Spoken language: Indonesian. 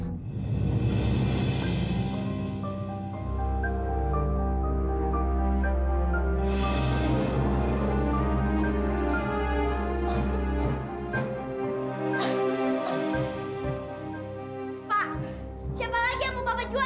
pak siapa lagi yang mau bapak jual